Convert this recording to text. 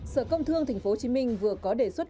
sở công thương tp hcm vừa có đề xuất